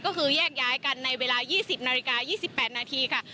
ก็คือแยกย้ายกันในเวลายี่สิบนาฬิกายี่สิบแปดนาทีค่ะ